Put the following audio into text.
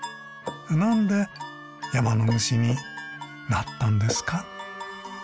なんで山の主になったんですか？